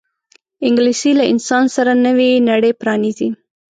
انګلیسي له انسان سره نوې نړۍ پرانیزي